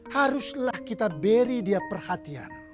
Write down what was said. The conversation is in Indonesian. haruslah kita beri dia perhatian